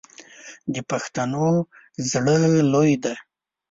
د پښتنو زړه لوی دی.